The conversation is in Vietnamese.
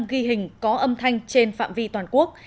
ghi hình có âm thanh trên phạm vi toàn quốc